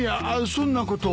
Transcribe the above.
そんなことは。